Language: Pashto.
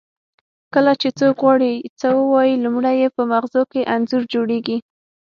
کله چې څوک غواړي څه ووایي لومړی یې په مغزو کې انځور جوړیږي